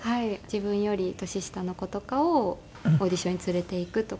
自分より年下の子とかをオーディションに連れて行くとか。